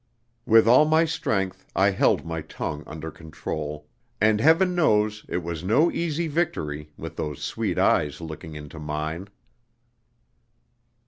With all my strength I held my tongue under control, and heaven knows it was no easy victory, with those sweet eyes looking into mine!